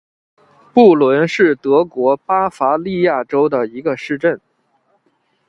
布伦是德国巴伐利亚州的一个市镇。